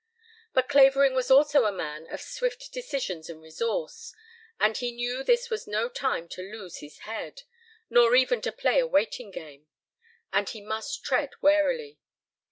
But Clavering was also a man of swift decisions and resource, and he knew this was no time to lose his head, nor even to play a waiting game. And he must tread warily.